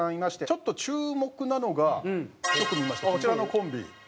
ちょっと注目なのが１組いましてこちらのコンビ。